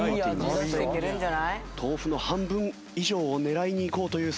豆腐の半分以上を狙いにいこうという作戦か？